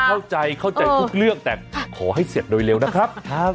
เข้าใจเข้าใจทุกเรื่องแต่ขอให้เสร็จโดยเร็วนะครับ